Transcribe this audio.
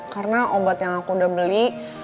karena obat yang aku udah beli